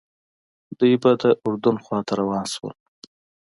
دوی به د اردن خواته روان شول.